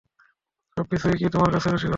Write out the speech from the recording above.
সবকিছুই কি তোমার কাছে রসিকতা?